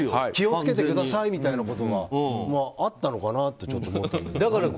気を付けてくださいみたいなことがあったのかなって